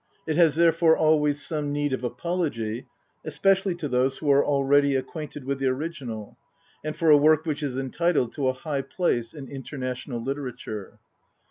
It has therefore always some need of apology, especially to those who are already acquainted with the original, and for a work which is entitled to a high place in inter national literature.